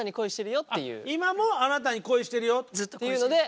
「今もあなたに恋してるよ」っていうので。